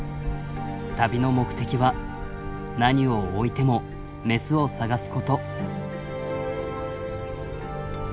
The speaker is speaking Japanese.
旅の目的は何をおいてもメスを探すこと。